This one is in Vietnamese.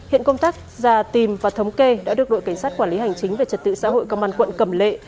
hiện công tác ra tìm và thống kê đã được đội cảnh sát quản lý hành chính về trật tự xã hội công an quận cầm lệ